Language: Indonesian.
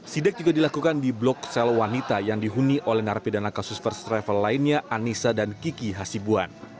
sidek juga dilakukan di blok sel wanita yang dihuni oleh narapidana kasus first travel lainnya anissa dan kiki hasibuan